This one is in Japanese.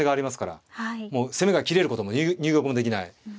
もう攻めが切れることも入玉もできない。